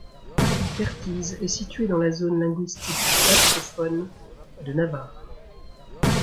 Bertiz est situé dans la zone linguistique bascophone de Navarre.